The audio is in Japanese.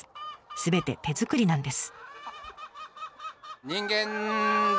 すべて手作りなんです。